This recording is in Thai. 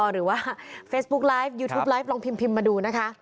หรือว่าเฟซบุ๊กไลฟ์ยูทูปไลฟ์ลองพิมพ์มาดูนะคะ